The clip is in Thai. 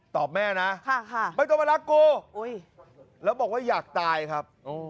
แม่นะไม่ต้องมารักกูแล้วบอกว่าอยากตายครับ